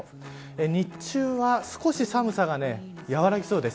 日中は少し寒さが和らぎそうです。